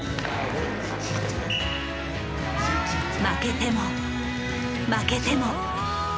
負けても負けても。